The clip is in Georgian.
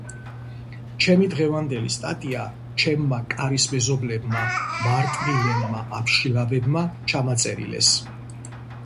ჩემი დღევანდელი სტატია ჩემმა კარის მეზობლებმა, მარტვილელმა აბშილავებმა ჩამაწერინეს.